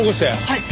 はい！